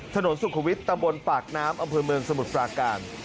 สุขวิทย์ตำบลปากน้ำอำเภอเมืองสมุทรปราการ